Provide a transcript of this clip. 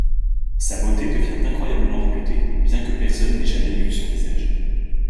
Sa beauté devient incroyablement réputée bien que personne n'ait jamais vu son visage.